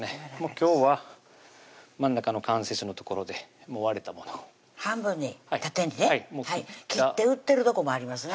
今日は真ん中の関節の所で割れたもの半分に縦にね切って売ってるとこもありますね